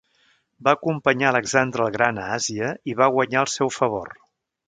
Va acompanyar a Alexandre el Gran a Àsia i va guanyar el seu favor.